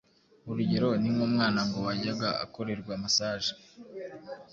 Urugero ni nk’umwana ngo wajyaga akorerwa massage